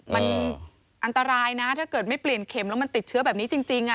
มันอันตรายนะถ้าเกิดไม่เปลี่ยนเข็มแล้วมันติดเชื้อแบบนี้จริง